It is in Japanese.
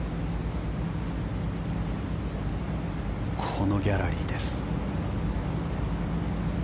このギャラリーです。